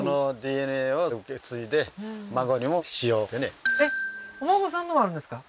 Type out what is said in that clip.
ああーえっお孫さんのもあるんですか？